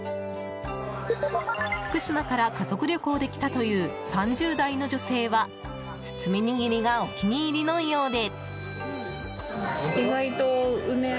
福島から家族旅行で来たという３０代の女性は包みにぎりがお気に入りのようで。